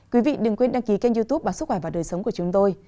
quý vị đừng quên đăng ký kênh youtube và sức khỏe vào đời sống của chúng tôi